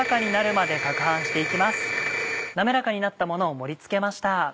滑らかになったものを盛り付けました。